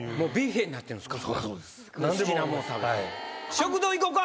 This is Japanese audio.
食堂行こか！